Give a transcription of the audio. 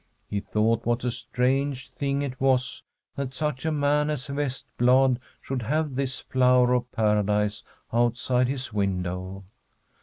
He thought what a strange thing it was that such a man as Vestblad should have this flower of Paradise outside his window.